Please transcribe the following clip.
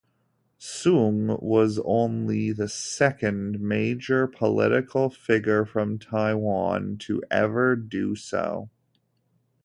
Soong was only the second major political figure from Taiwan to ever do so.